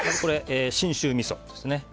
信州みそですね。